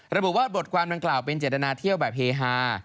ระบุว่าบทความดังกล่าวเป็นเจตนาเที่ยวแบบเฮฮา